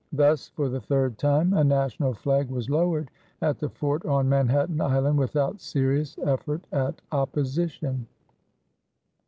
Thus for the third time, a national flag was lowered at the fort on Manhattan Island without serious effort at opposition.